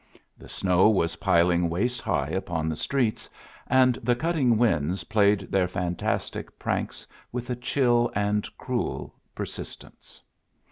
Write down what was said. The snow was piling waist high upon the streets, and the cutting winds played their fantastic pranks with a chill and cruel persistence.